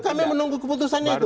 kami menunggu keputusannya itu